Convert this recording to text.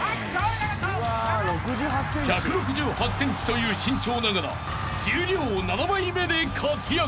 ［１６８ｃｍという身長ながら十両七枚目で活躍］